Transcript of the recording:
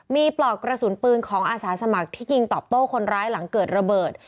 มีปลอกกระสุนปืนของอาสาสมัครที่ยิงตอบโต้คนร้ายหลังเกิดระเบิด